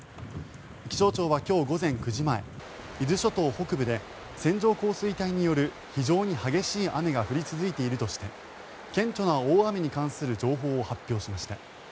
気象庁は今日午前９時前伊豆諸島北部で線状降水帯による非常に激しい雨が降り続いているとして顕著な大雨に関する情報を発表しました。